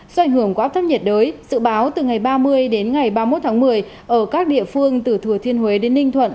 do ảnh hưởng của áp thấp nhiệt đới dự báo từ ngày ba mươi đến ngày ba mươi một tháng một mươi ở các địa phương từ thừa thiên huế đến ninh thuận